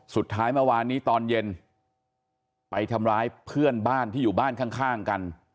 สุดท้ายเมื่อวานนี้ตอนเย็นไปทำร้ายเพื่อนบ้านที่อยู่บ้านข้างกัน